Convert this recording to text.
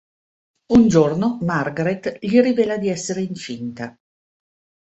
Un giorno Margareth gli rivela di essere incinta.